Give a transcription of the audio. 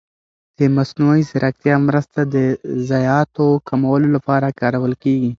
د مصنوعي ځېرکتیا مرسته د ضایعاتو کمولو لپاره کارول کېږي.